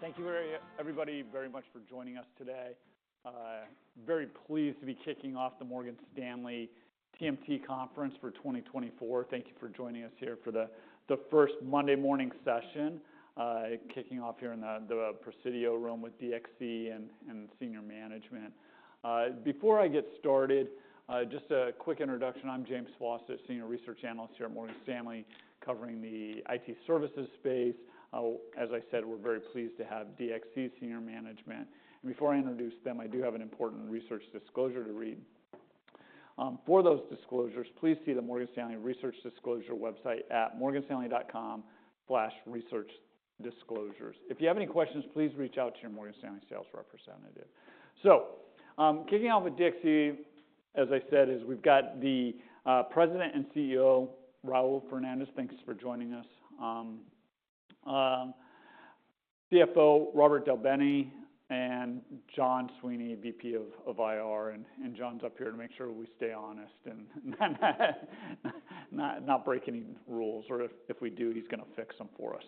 Thank you, everybody, very much for joining us today. Very pleased to be kicking off the Morgan Stanley TMT Conference for 2024. Thank you for joining us here for the first Monday morning session, kicking off here in the Presidio Room with DXC and senior management. Before I get started, just a quick introduction. I'm James Faucette, senior research analyst here at Morgan Stanley, covering the IT services space. As I said, we're very pleased to have DXC senior management. Before I introduce them, I do have an important research disclosure to read. For those disclosures, please see the Morgan Stanley research disclosure website at morganstanley.com/researchdisclosures. If you have any questions, please reach out to your Morgan Stanley sales representative. So, kicking off with DXC, as I said, is we've got the President and CEO, Raul Fernandez. Thanks for joining us. CFO Robert Del Bene and John Sweeney, VP of IR. And John's up here to make sure we stay honest and not break any rules. Or if we do, he's going to fix them for us.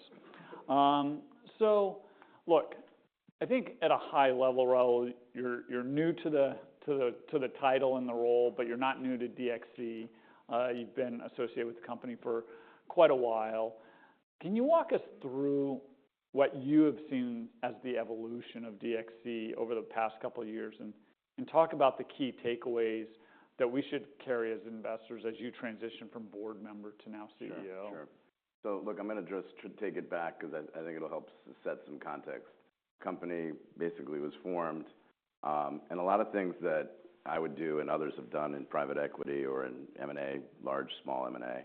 So look, I think at a high level, Raul, you're new to the title and the role, but you're not new to DXC. You've been associated with the company for quite a while. Can you walk us through what you have seen as the evolution of DXC over the past couple of years and talk about the key takeaways that we should carry as investors as you transition from board member to now CEO? Sure, sure. So look, I'm going to just take it back because I, I think it'll help set some context. The company basically was formed, and a lot of things that I would do and others have done in private equity or in M&A, large small M&A,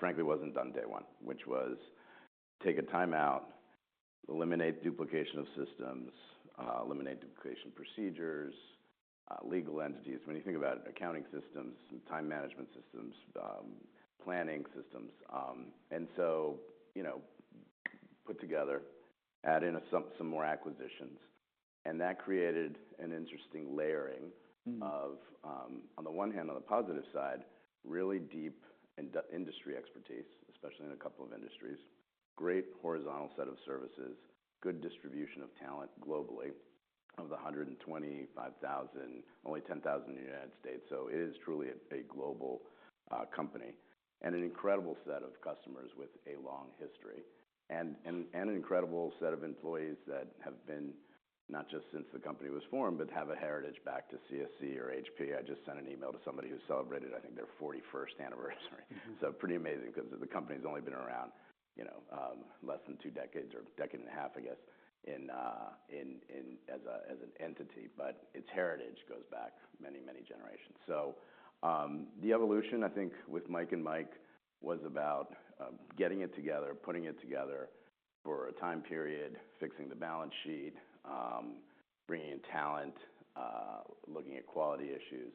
frankly wasn't done day one, which was take a timeout, eliminate duplication of systems, eliminate duplication procedures, legal entities. When you think about accounting systems, time management systems, planning systems, and so, you know, put together, add in some, some more acquisitions. And that created an interesting layering of, on the one hand, on the positive side, really deep industry expertise, especially in a couple of industries, great horizontal set of services, good distribution of talent globally of the 125,000, only 10,000 in the United States. So it is truly a global company and an incredible set of customers with a long history and an incredible set of employees that have been not just since the company was formed, but have a heritage back to CSC or HP. I just sent an email to somebody who celebrated, I think, their 41st anniversary. So pretty amazing because the company's only been around, you know, less than two decades or a decade and a half, I guess, in as an entity. But its heritage goes back many, many generations. So, the evolution, I think, with Mike and Mike was about getting it together, putting it together for a time period, fixing the balance sheet, bringing in talent, looking at quality issues.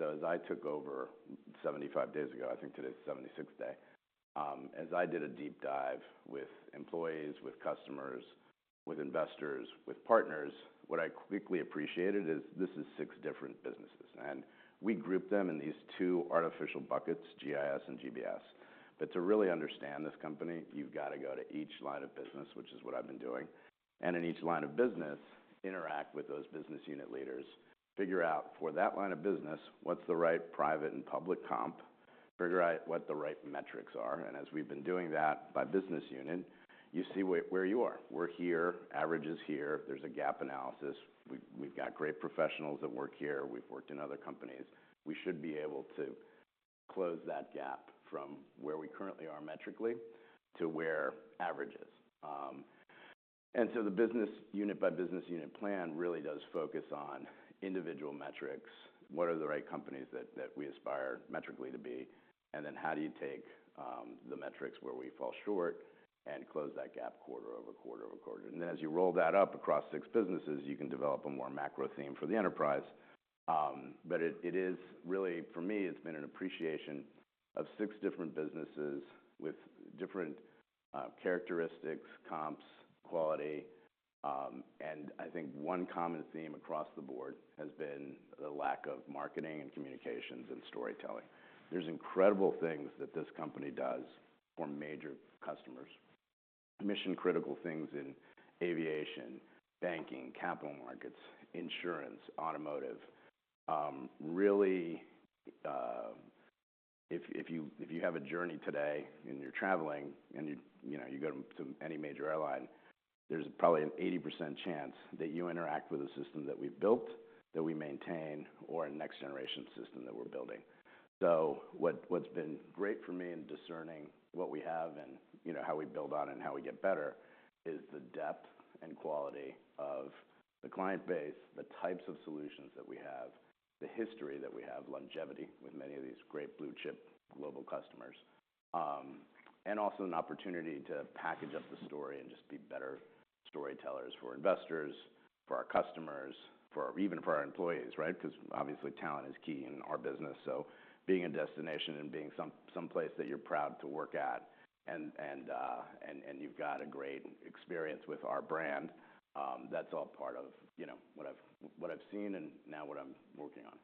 As I took over 75 days ago, I think today's the 76th day, as I did a deep dive with employees, with customers, with investors, with partners, what I quickly appreciated is this is six different businesses, and we grouped them in these two artificial buckets, GIS and GBS. But to really understand this company, you've got to go to each line of business, which is what I've been doing, and in each line of business, interact with those business unit leaders, figure out for that line of business what's the right private and public comp, figure out what the right metrics are. And as we've been doing that by business unit, you see where you are. We're here. Average is here. There's a gap analysis. We've got great professionals that work here. We've worked in other companies. We should be able to close that gap from where we currently are metrically to where average is. So the business unit by business unit plan really does focus on individual metrics. What are the right companies that, that we aspire metrically to be? And then how do you take the metrics where we fall short and close that gap quarter over quarter over quarter? And then as you roll that up across six businesses, you can develop a more macro theme for the enterprise. But it is really, for me, it's been an appreciation of six different businesses with different characteristics, comps, quality. And I think one common theme across the board has been the lack of marketing and communications and storytelling. There's incredible things that this company does for major customers, mission-critical things in aviation, banking, capital markets, insurance, automotive. Really, if you have a journey today and you're traveling and you know, you go to any major airline, there's probably an 80% chance that you interact with a system that we've built, that we maintain, or a next-generation system that we're building. So what's been great for me in discerning what we have and, you know, how we build on and how we get better is the depth and quality of the client base, the types of solutions that we have, the history that we have, longevity with many of these great blue-chip global customers, and also an opportunity to package up the story and just be better storytellers for investors, for our customers, for even for our employees, right? Because obviously talent is key in our business. So being a destination and being someplace that you're proud to work at and you've got a great experience with our brand, that's all part of, you know, what I've seen and now what I'm working on.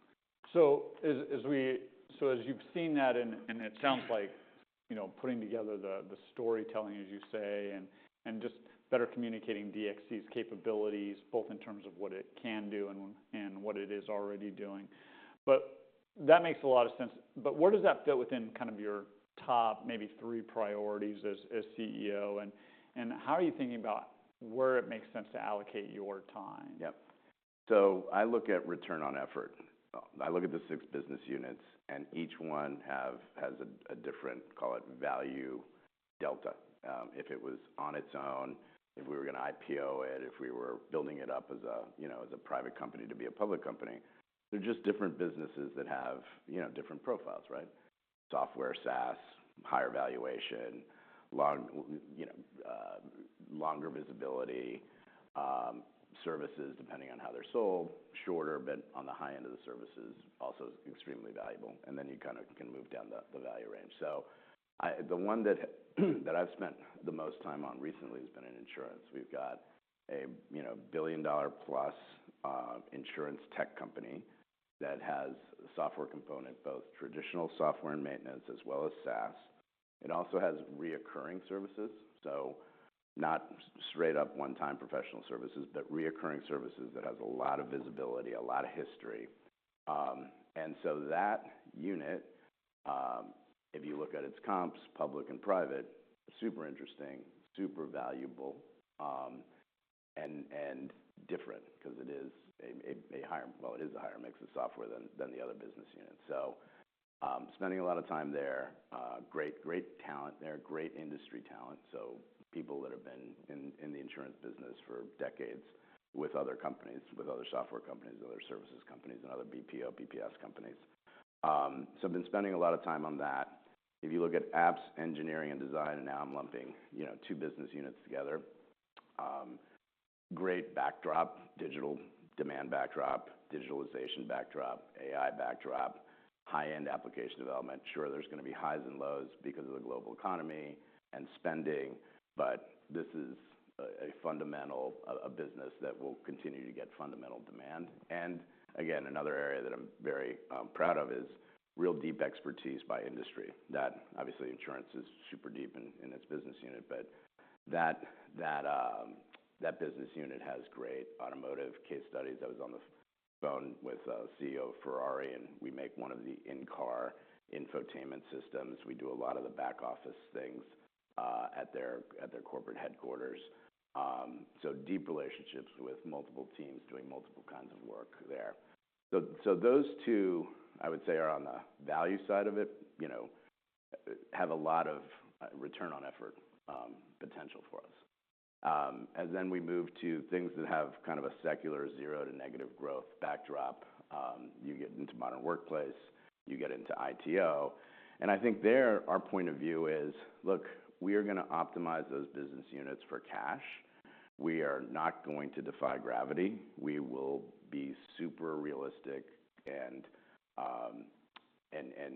So as you've seen that and it sounds like, you know, putting together the storytelling, as you say, and just better communicating DXC's capabilities, both in terms of what it can do and what it is already doing. But that makes a lot of sense. But where does that fit within kind of your top maybe three priorities as CEO? And how are you thinking about where it makes sense to allocate your time? Yep. So I look at return on effort. I look at the six business units, and each one has a different, call it, value delta. If it was on its own, if we were going to IPO it, if we were building it up as a, you know, as a private company to be a public company, they're just different businesses that have, you know, different profiles, right? Software, SaaS, higher valuation, long, you know, longer visibility, services depending on how they're sold, shorter, but on the high end of the services also extremely valuable. And then you kind of can move down the value range. So the one that I've spent the most time on recently has been in insurance. We've got a, you know, billion-dollar-plus, insurance tech company that has a software component, both traditional software and maintenance, as well as SaaS. It also has recurring services, so not straight-up one-time professional services, but recurring services that has a lot of visibility, a lot of history. And so that unit, if you look at its comps, public and private, super interesting, super valuable, and different because it is a higher, well, it is a higher mix of software than the other business units. So, spending a lot of time there, great, great talent there, great industry talent, so people that have been in the insurance business for decades with other companies, with other software companies, other services companies, and other BPO, BPS companies. So I've been spending a lot of time on that. If you look at apps, engineering, and design, and now I'm lumping, you know, two business units together, great backdrop, digital demand backdrop, digitalization backdrop, AI backdrop, high-end application development. Sure, there's going to be highs and lows because of the global economy and spending, but this is a fundamental business that will continue to get fundamental demand. And again, another area that I'm very proud of is real deep expertise by industry. That obviously insurance is super deep in its business unit, but that business unit has great automotive case studies. I was on the phone with CEO Ferrari, and we make one of the in-car infotainment systems. We do a lot of the back office things at their corporate headquarters. So deep relationships with multiple teams doing multiple kinds of work there. So those two, I would say, are on the value side of it, you know, have a lot of return on effort potential for us. As then we move to things that have kind of a secular zero to negative growth backdrop, you get into Modern Workplace, you get into ITO. And I think there, our point of view is, look, we are going to optimize those business units for cash. We are not going to defy gravity. We will be super realistic and, and, and,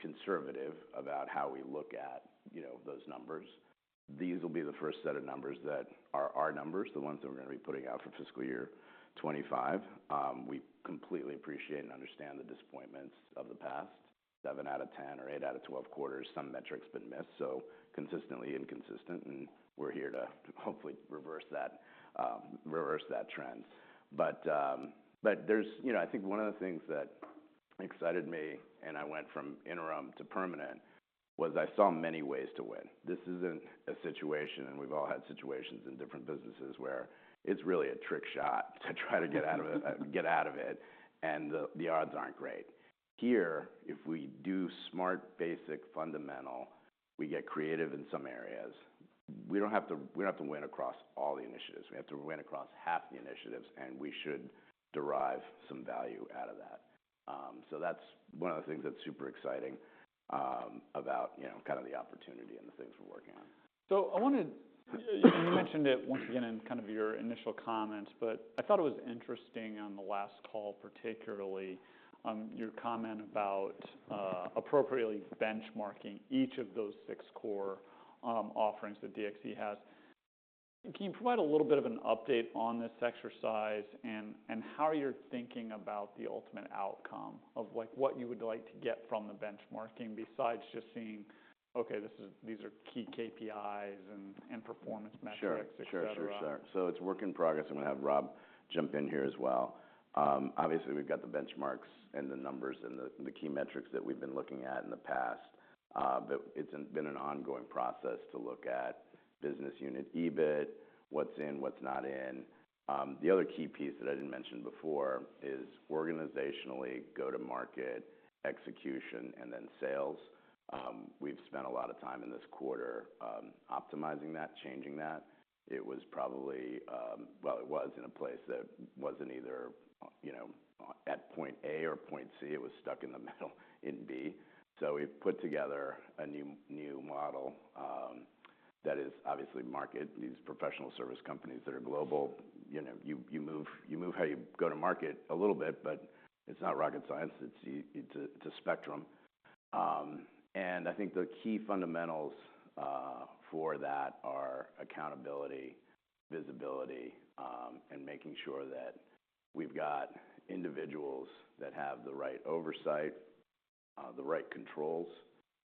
conservative about how we look at, you know, those numbers. These will be the first set of numbers that are our numbers, the ones that we're going to be putting out for fiscal year 2025. We completely appreciate and understand the disappointments of the past seven out of 10 or eight out of 12 quarters. Some metrics have been missed, so consistently inconsistent. And we're here to hopefully reverse that, reverse that trend. But, but there's, you know, I think one of the things that excited me and I went from interim to permanent was I saw many ways to win. This isn't a situation and we've all had situations in different businesses where it's really a trick shot to try to get out of it, get out of it, and the, the odds aren't great. Here, if we do smart, basic, fundamental, we get creative in some areas. We don't have to we don't have to win across all the initiatives. We have to win across half the initiatives, and we should derive some value out of that. So that's one of the things that's super exciting, about, you know, kind of the opportunity and the things we're working on. So I wanted you mentioned it once again in kind of your initial comments, but I thought it was interesting on the last call, particularly, your comment about, appropriately benchmarking each of those six core offerings that DXC has. Can you provide a little bit of an update on this exercise and, and how are you thinking about the ultimate outcome of, like, what you would like to get from the benchmarking besides just seeing, okay, this is these are key KPIs and, and performance metrics, etc. Sure, sure, sure. So it's work in progress. I'm going to have Rob jump in here as well. Obviously we've got the benchmarks and the numbers and the key metrics that we've been looking at in the past, but it's been an ongoing process to look at business unit EBIT, what's in, what's not in. The other key piece that I didn't mention before is organizationally, go-to-market, execution, and then sales. We've spent a lot of time in this quarter, optimizing that, changing that. It was probably, well, it was in a place that wasn't either, you know, at point A or point C. It was stuck in the middle, in B. So we've put together a new, new model, that is obviously market. These professional service companies that are global, you know, you move how you go to market a little bit, but it's not rocket science. It's a spectrum. I think the key fundamentals for that are accountability, visibility, and making sure that we've got individuals that have the right oversight, the right controls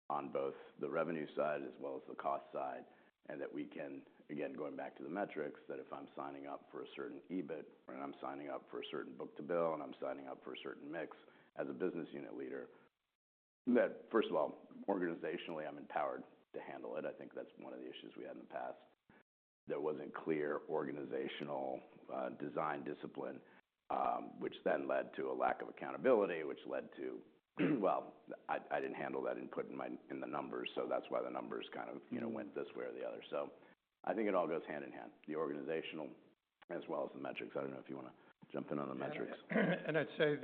on both the revenue side as well as the cost side, and that we can again, going back to the metrics, that if I'm signing up for a certain EBIT and I'm signing up for a certain book-to-bill and I'm signing up for a certain mix as a business unit leader, that first of all, organizationally, I'm empowered to handle it. I think that's one of the issues we had in the past. There wasn't clear organizational, design discipline, which then led to a lack of accountability, which led to well, I didn't handle that input in my in the numbers, so that's why the numbers kind of, you know, went this way or the other. So I think it all goes hand in hand, the organizational as well as the metrics. I don't know if you want to jump in on the metrics. I'd say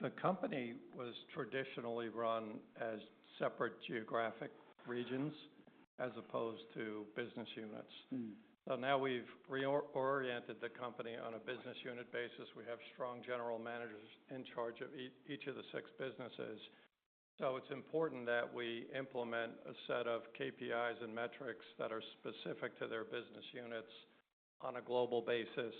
the company was traditionally run as separate geographic regions as opposed to business units. So now we've reoriented the company on a business unit basis. We have strong general managers in charge of each of the six businesses. So it's important that we implement a set of KPIs and metrics that are specific to their business units on a global basis.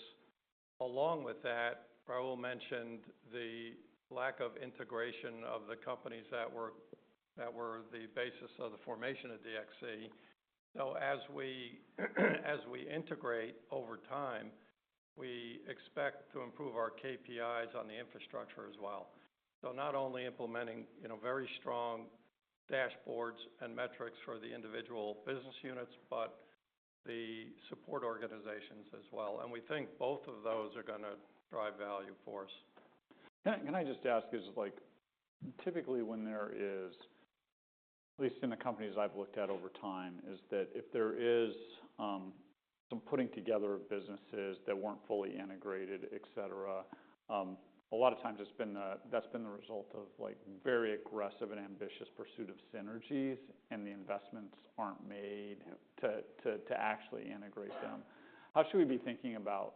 Along with that, Raul mentioned the lack of integration of the companies that were the basis of the formation of DXC. So as we integrate over time, we expect to improve our KPIs on the infrastructure as well. So not only implementing, you know, very strong dashboards and metrics for the individual business units, but the support organizations as well. And we think both of those are going to drive value for us. Can I just ask, is, like, typically when there is at least in the companies I've looked at over time, if there is some putting together of businesses that weren't fully integrated, etc., a lot of times it's been that's been the result of, like, very aggressive and ambitious pursuit of synergies, and the investments aren't made to actually integrate them. How should we be thinking about,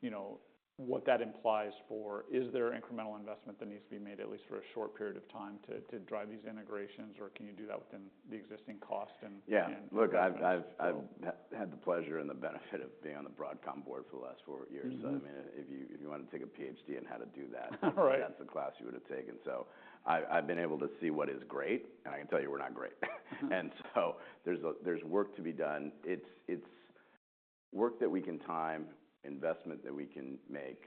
you know, what that implies for? Is there incremental investment that needs to be made at least for a short period of time to drive these integrations, or can you do that within the existing cost and? Yeah. Look, I've had the pleasure and the benefit of being on the Broadcom board for the last four years. So I mean, if you wanted to take a PhD in how to do that, that's the class you would have taken. So I've been able to see what is great, and I can tell you we're not great. And so there's work to be done. It's work that we can time, investment that we can make,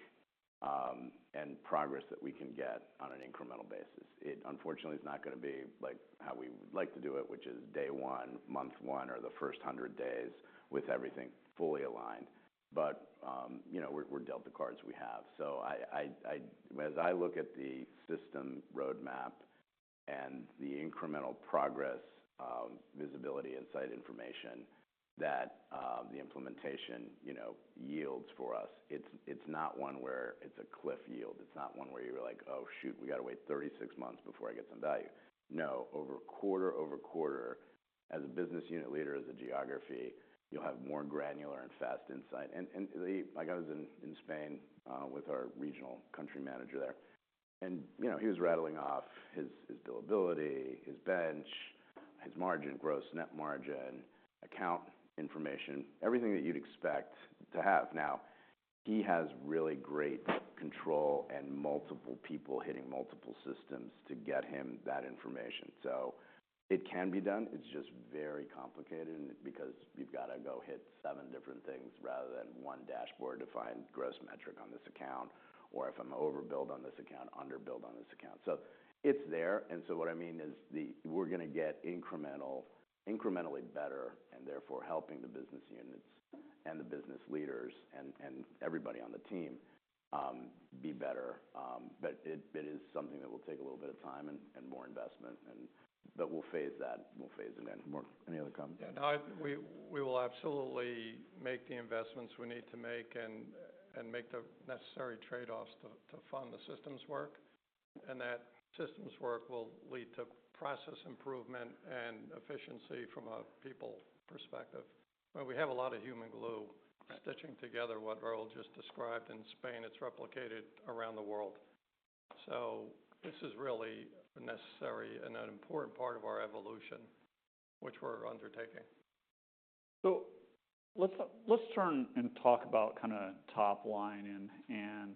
and progress that we can get on an incremental basis. It unfortunately is not going to be like how we would like to do it, which is day one, month one, or the first 100 days with everything fully aligned. But, you know, we're dealt the cards we have. So I as I look at the system roadmap and the incremental progress, visibility insight information that the implementation, you know, yields for us, it's not one where it's a cliff yield. It's not one where you're like, "Oh, shoot, we got to wait 36 months before I get some value." No, quarter-over-quarter, as a business unit leader, as a geography, you'll have more granular and fast insight. And the like, I was in Spain, with our regional country manager there. And, you know, he was rattling off his billability, his bench, his margin, gross net margin, account information, everything that you'd expect to have. Now, he has really great control and multiple people hitting multiple systems to get him that information. So it can be done. It's just very complicated because you've got to go hit seven different things rather than one dashboard to find gross metric on this account or if I'm overbilled on this account, underbilled on this account. So it's there. And so what I mean is the we're going to get incremental, incrementally better and therefore helping the business units and the business leaders and, and everybody on the team, be better. It, it is something that will take a little bit of time and, and more investment, and we'll phase that. We'll phase it in. More? Any other comments? Yeah. No, I, we will absolutely make the investments we need to make and, and make the necessary trade-offs to, to fund the systems work. And that systems work will lead to process improvement and efficiency from a people perspective. I mean, we have a lot of human glue stitching together what Raul just described in Spain. It's replicated around the world. So this is really necessary and an important part of our evolution, which we're undertaking. So let's, let's turn and talk about kind of top line and, and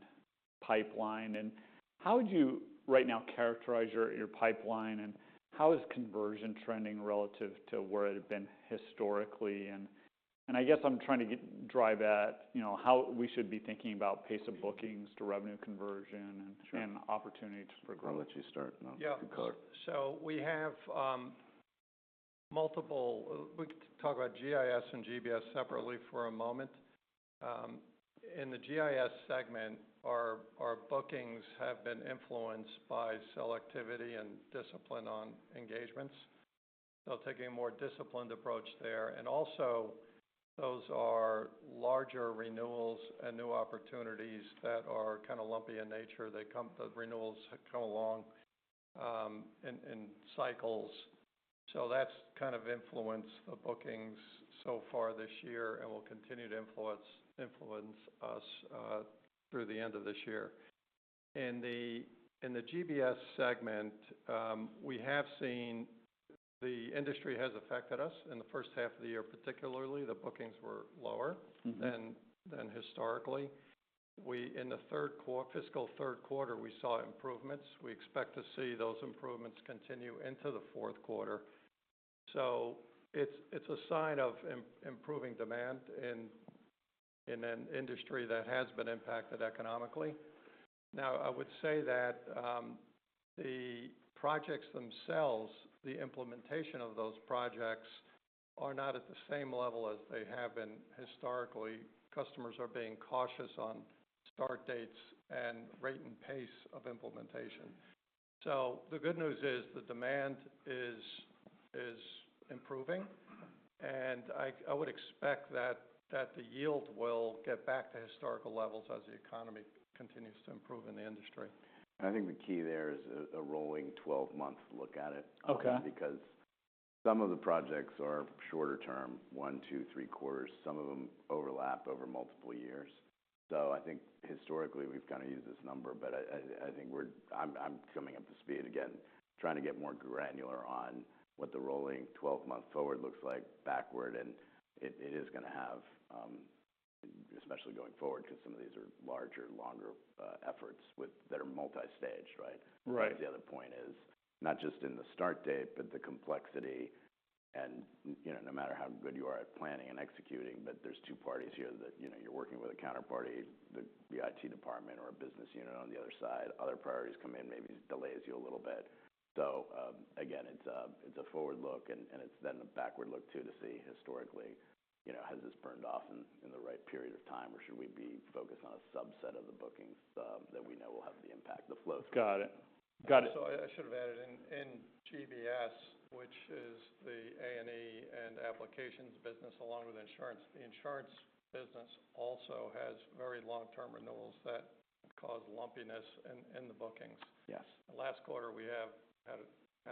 pipeline. And how would you right now characterize your, your pipeline, and how is conversion trending relative to where it had been historically? And, and I guess I'm trying to drive at, you know, how we should be thinking about pace of bookings to revenue conversion and, and opportunity for growth. I'll let you start. Yeah. No, good call. So we have multiple we can talk about GIS and GBS separately for a moment. In the GIS segment, our bookings have been influenced by selectivity and discipline on engagements. So taking a more disciplined approach there. And also those are larger renewals and new opportunities that are kind of lumpy in nature. They come the renewals come along in cycles. So that's kind of influenced the bookings so far this year and will continue to influence us through the end of this year. In the GBS segment, we have seen the industry has affected us. In the first half of the year, particularly, the bookings were lower than historically. We in the third quarter fiscal third quarter, we saw improvements. We expect to see those improvements continue into the fourth quarter. So it's a sign of improving demand in an industry that has been impacted economically. Now, I would say that the projects themselves, the implementation of those projects are not at the same level as they have been historically. Customers are being cautious on start dates and rate and pace of implementation. So the good news is the demand is improving. And I would expect that the yield will get back to historical levels as the economy continues to improve in the industry. I think the key there is a rolling 12-month look at it. Okay. Because some of the projects are shorter term, one, two, three quarters. Some of them overlap over multiple years. So I think historically we've kind of used this number, but I think I'm coming up to speed again, trying to get more granular on what the rolling 12-month forward looks like backward. And it is going to have, especially going forward because some of these are larger, longer, efforts with that are multi-staged, right? Right. That's the other point: it's not just in the start date, but the complexity and, you know, no matter how good you are at planning and executing, but there's two parties here that, you know, you're working with a counterparty, the IT department or a business unit on the other side. Other priorities come in, maybe delays you a little bit. So, again, it's a forward look, and it's then a backward look too to see historically, you know, has this burned off in the right period of time, or should we be focused on a subset of the bookings that we know will have the impact, the flow through? Got it. Got it. So I should have added in GBS, which is the A&E and applications business along with insurance. The insurance business also has very long-term renewals that cause lumpiness in the bookings. Yes. Last quarter, we have had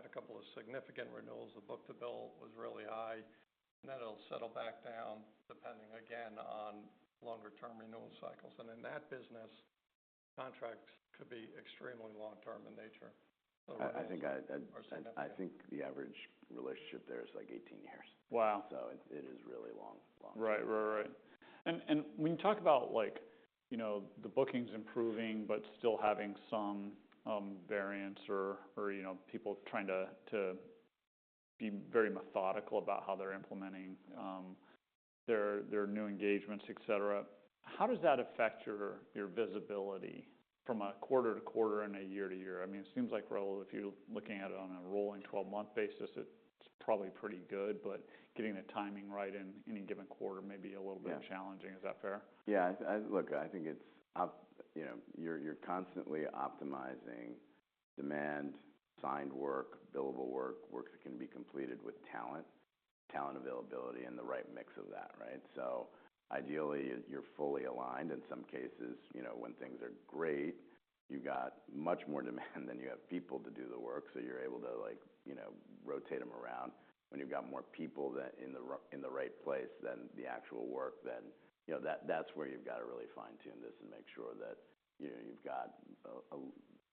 a couple of significant renewals. The book-to-bill was really high. Then it'll settle back down depending, again, on longer-term renewal cycles. In that business, contracts could be extremely long-term in nature. I think the average relationship there is like 18 years. Wow. It is really long-term. Right, right, right. And when you talk about, like, you know, the bookings improving but still having some variance or, you know, people trying to be very methodical about how they're implementing their new engagements, etc., how does that affect your visibility from a quarter to quarter and a year to year? I mean, it seems like, Raul, if you're looking at it on a rolling 12-month basis, it's probably pretty good, but getting the timing right in any given quarter may be a little bit challenging. Is that fair? Yeah. I look, I think it's, you know, you're constantly optimizing demand, signed work, billable work, work that can be completed with talent, talent availability, and the right mix of that, right? So ideally, you're fully aligned. In some cases, you know, when things are great, you've got much more demand than you have people to do the work, so you're able to, like, you know, rotate them around. When you've got more people that in the right place than the actual work, then, you know, that's where you've got to really fine-tune this and make sure that, you know,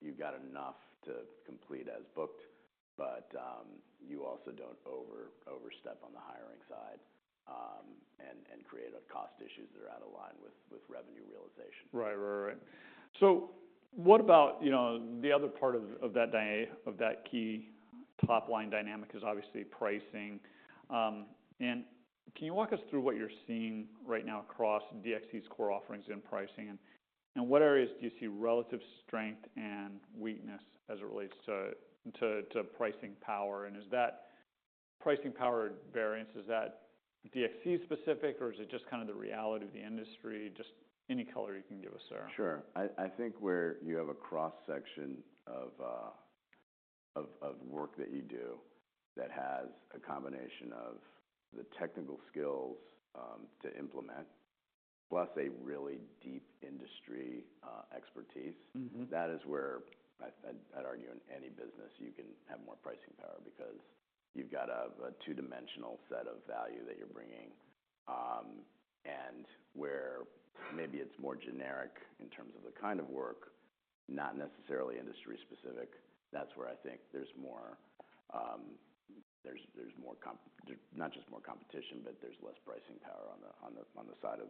you've got enough to complete as booked, but you also don't overstep on the hiring side, and create cost issues that are out of line with revenue realization. Right, right, right. So what about, you know, the other part of that Denyeau of that key top line dynamic is obviously pricing. And can you walk us through what you're seeing right now across DXC's core offerings and pricing? And what areas do you see relative strength and weakness as it relates to pricing power? And is that pricing power variance DXC specific, or is it just kind of the reality of the industry? Just any color you can give us, sir. Sure. I think where you have a cross-section of work that you do that has a combination of the technical skills to implement plus a really deep industry expertise, that is where I'd argue in any business you can have more pricing power because you've got a two-dimensional set of value that you're bringing. And where maybe it's more generic in terms of the kind of work, not necessarily industry specific, that's where I think there's more competition. There's not just more competition, but there's less pricing power on the side of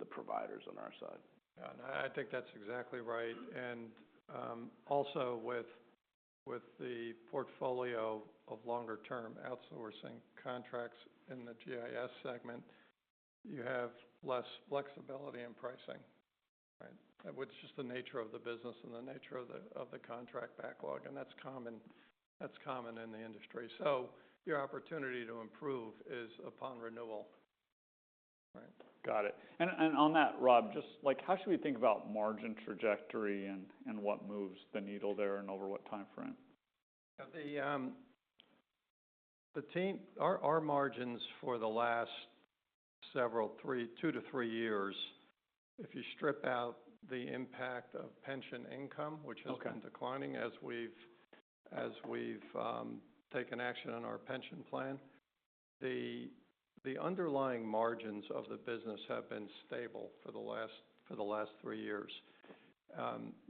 the providers on our side. Yeah. No, I, I think that's exactly right. And, also with, with the portfolio of longer-term outsourcing contracts in the GIS segment, you have less flexibility in pricing, right? That was just the nature of the business and the nature of the contract backlog. And that's common in the industry. So your opportunity to improve is upon renewal, right? Got it. And on that, Rob, just, like, how should we think about margin trajectory and what moves the needle there and over what time frame? Yeah. Our margins for the last several 2-3 years, if you strip out the impact of pension income, which has been declining as we've taken action on our pension plan, the underlying margins of the business have been stable for the last three years.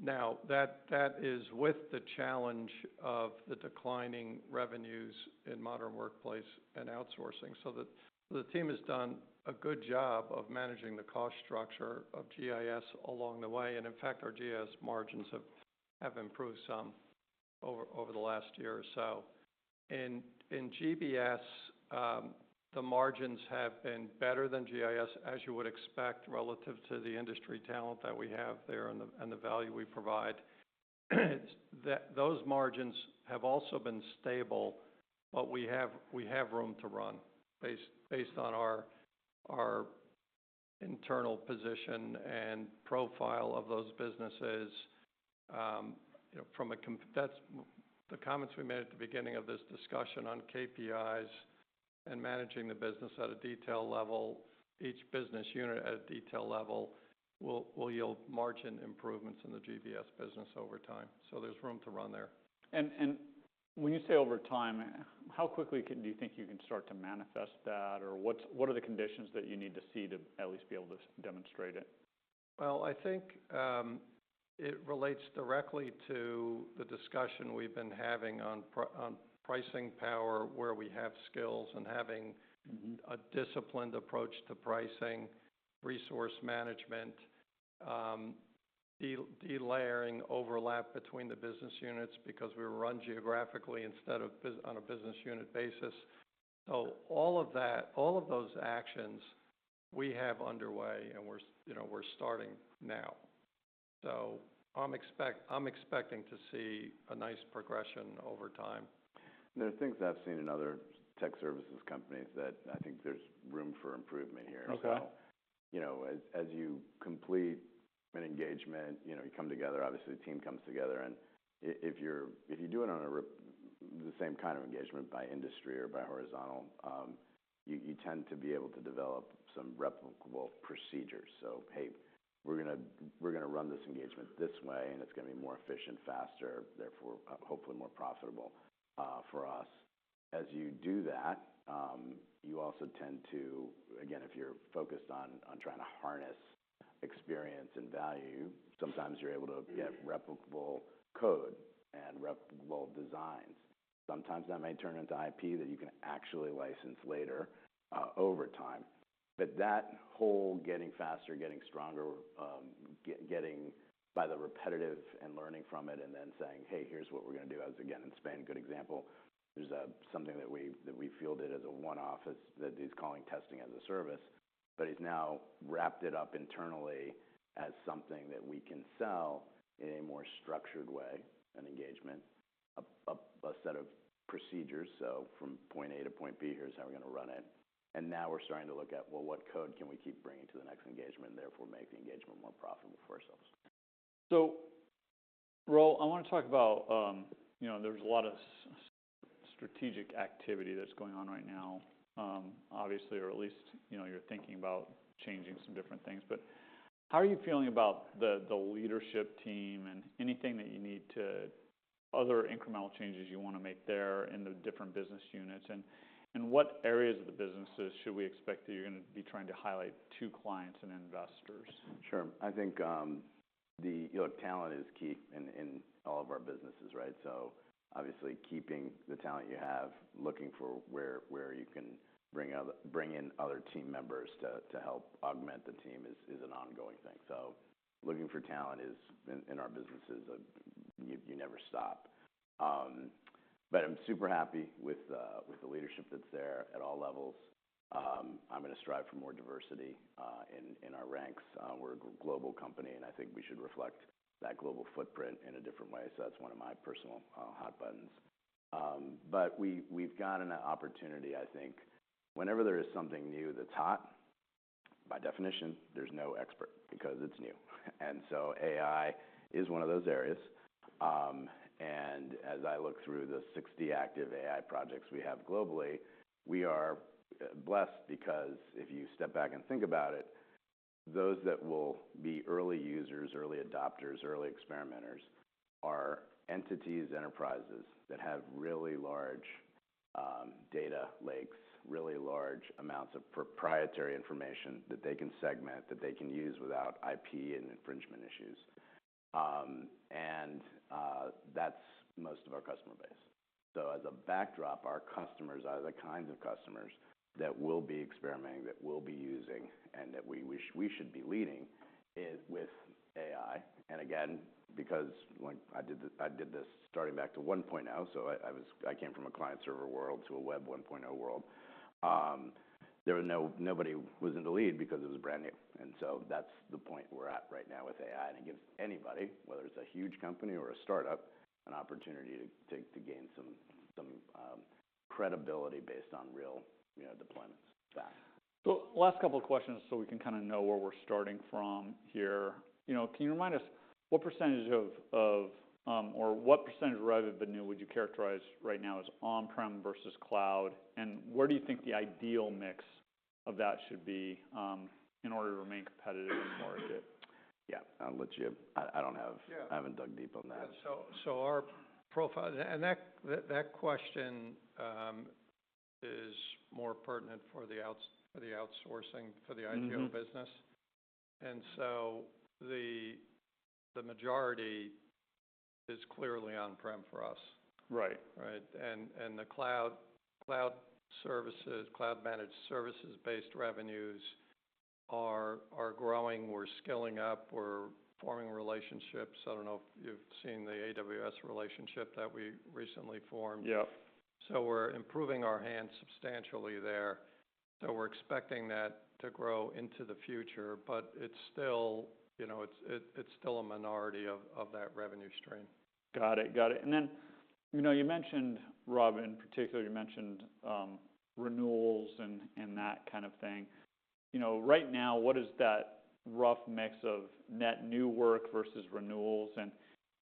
Now, that is with the challenge of the declining revenues in modern workplace and outsourcing. So the team has done a good job of managing the cost structure of GIS along the way. And in fact, our GIS margins have improved some over the last year or so. In GBS, the margins have been better than GIS as you would expect relative to the industry talent that we have there and the value we provide. It's that those margins have also been stable, but we have room to run based on our internal position and profile of those businesses. You know, from a comp that's the comments we made at the beginning of this discussion on KPIs and managing the business at a detail level, each business unit at a detail level will yield margin improvements in the GBS business over time. So there's room to run there. And when you say over time, how quickly do you think you can start to manifest that, or what are the conditions that you need to see to at least be able to demonstrate it? Well, I think it relates directly to the discussion we've been having on pricing power, where we have skills and having a disciplined approach to pricing, resource management, de-layering overlap between the business units because we run geographically instead of by business unit basis. So all of those actions we have underway, and we're, you know, we're starting now. So I'm expecting to see a nice progression over time. There are things I've seen in other tech services companies that I think there's room for improvement here. Okay. So, you know, as you complete an engagement, you know, you come together. Obviously, the team comes together. And if you do it on a rep the same kind of engagement by industry or by horizontal, you tend to be able to develop some replicable procedures. So, "Hey, we're going to run this engagement this way, and it's going to be more efficient, faster, therefore hopefully more profitable, for us." As you do that, you also tend to, again, if you're focused on trying to harness experience and value, sometimes you're able to get replicable code and replicable designs. Sometimes that may turn into IP that you can actually license later, over time. But that whole getting faster, getting stronger, getting by the repetitive and learning from it and then saying, "Hey, here's what we're going to do," as again, in Spain, good example, there's something that we fielded as a one-off as that he's calling testing as a service, but he's now wrapped it up internally as something that we can sell in a more structured way, an engagement, a, a, a set of procedures. So from point A to point B, here's how we're going to run it. And now we're starting to look at, well, what code can we keep bringing to the next engagement and therefore make the engagement more profitable for ourselves? So, Raul, I want to talk about, you know, there's a lot of strategic activity that's going on right now, obviously, or at least, you know, you're thinking about changing some different things. But how are you feeling about the leadership team and anything that you need to other incremental changes you want to make there in the different business units? And what areas of the businesses should we expect that you're going to be trying to highlight to clients and investors? Sure. I think if you look, talent is key in all of our businesses, right? So obviously, keeping the talent you have, looking for where you can bring in other team members to help augment the team is an ongoing thing. So looking for talent in our businesses, you never stop. But I'm super happy with the leadership that's there at all levels. I'm going to strive for more diversity in our ranks. We're a global company, and I think we should reflect that global footprint in a different way. So that's one of my personal hot buttons. But we've got an opportunity, I think. Whenever there is something new that's hot, by definition, there's no expert because it's new. And so AI is one of those areas. As I look through the 60 active AI projects we have globally, we are blessed because if you step back and think about it, those that will be early users, early adopters, early experimenters are entities, enterprises that have really large data lakes, really large amounts of proprietary information that they can segment, that they can use without IP and infringement issues. And that's most of our customer base. So as a backdrop, our customers are the kinds of customers that will be experimenting, that will be using, and that we wish we should be leading with AI. And again, because, like, I did this starting back to 1.0, so I came from a client-server world to a web 1.0 world. There was nobody in the lead because it was brand new. And so that's the point we're at right now with AI. And it gives anybody, whether it's a huge company or a startup, an opportunity to gain some credibility based on real, you know, deployments, that. So last couple of questions so we can kind of know where we're starting from here. You know, can you remind us what percentage of revenue would you characterize right now as on-prem versus cloud? And where do you think the ideal mix of that should be, in order to remain competitive in the market? Yeah. I haven't dug deep on that. Yeah. So our profile and that question is more pertinent for the outsourcing, for the ITO business. And so the majority is clearly on-prem for us. Right. Right? And the cloud services, cloud-managed services-based revenues are growing. We're skilling up. We're forming relationships. I don't know if you've seen the AWS relationship that we recently formed. Yep. We're improving our hands substantially there. We're expecting that to grow into the future, but it's still, you know, it's still a minority of that revenue stream. Got it. Got it. And then, you know, you mentioned, Rob, in particular, you mentioned, renewals and, and that kind of thing. You know, right now, what is that rough mix of net new work versus renewals? And,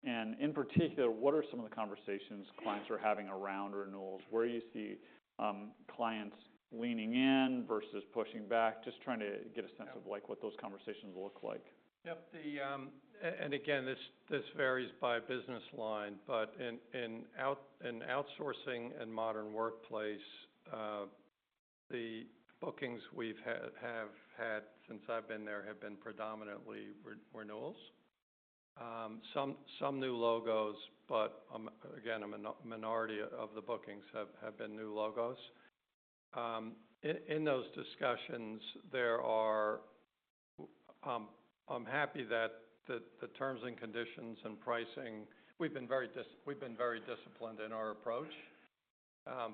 and in particular, what are some of the conversations clients are having around renewals? Where do you see, clients leaning in versus pushing back? Just trying to get a sense of, like, what those conversations look like. Yep. And again, this varies by business line, but in outsourcing and modern workplace, the bookings we've had since I've been there have been predominantly renewals. Some new logos, but again, a minority of the bookings have been new logos. In those discussions, I'm happy that the terms and conditions and pricing we've been very disciplined in our approach.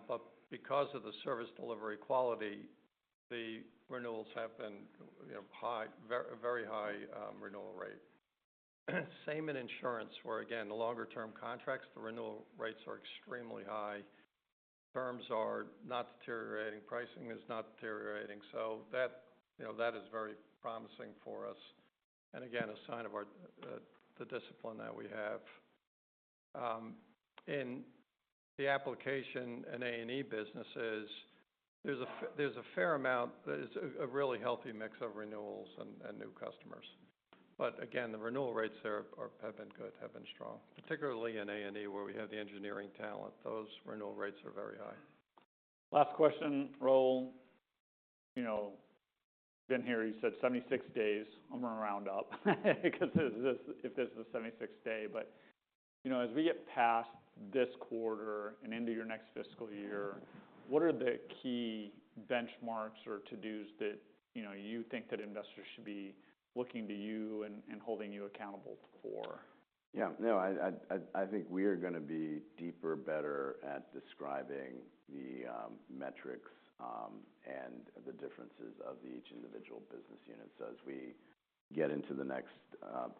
But because of the service delivery quality, the renewals have been, you know, very, very high renewal rate. Same in insurance, where again, the longer-term contracts, the renewal rates are extremely high. Terms are not deteriorating. Pricing is not deteriorating. So that, you know, is very promising for us and again, a sign of our discipline. In the applications and A&E businesses, there's a fair amount. There's a really healthy mix of renewals and new customers. But again, the renewal rates there are, have been good, have been strong, particularly in A&E where we have the engineering talent. Those renewal rates are very high. Last question, Raul. You know, been here. You said 76 days. I'm going to round up because this is if this is a 76-day. But, you know, as we get past this quarter and into your next fiscal year, what are the key benchmarks or to-dos that, you know, you think that investors should be looking to you and, and holding you accountable for? Yeah. No, I think we are going to be deeper, better at describing the metrics, and the differences of each individual business unit. So as we get into the next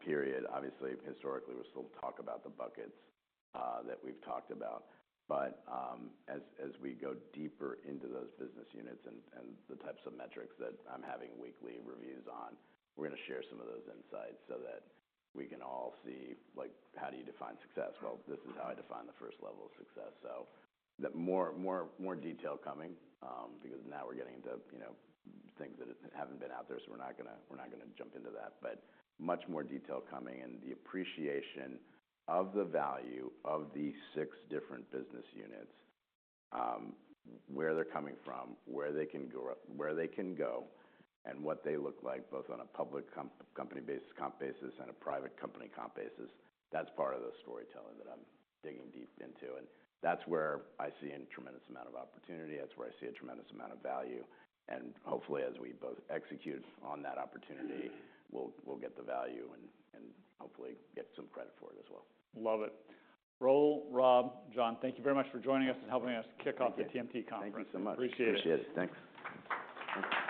period, obviously, historically, we still talk about the buckets that we've talked about. But as we go deeper into those business units and the types of metrics that I'm having weekly reviews on, we're going to share some of those insights so that we can all see, like, how do you define success? Well, this is how I define the first level of success. So that more, more, more detail coming, because now we're getting into, you know, things that haven't been out there, so we're not going to jump into that. But much more detail coming and the appreciation of the value of the six different business units, where they're coming from, where they can grow, where they can go, and what they look like both on a public comp-company basis, comp basis, and a private company comp basis. That's part of the storytelling that I'm digging deep into. And that's where I see a tremendous amount of opportunity. That's where I see a tremendous amount of value. And hopefully, as we both execute on that opportunity, we'll, we'll get the value and, and hopefully get some credit for it as well. Love it. Raul, Rob, John, thank you very much for joining us and helping us kick off the TMT Conference. Thank you so much. Appreciate it. Appreciate it. Thanks. Thanks.